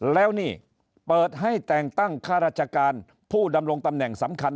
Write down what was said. แล้วนี่เปิดให้แต่งตั้งข้าราชการผู้ดำรงตำแหน่งสำคัญ